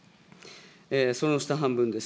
その下半分です。